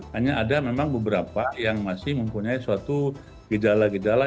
hanya ada memang beberapa yang masih mempunyai suatu gejala gejala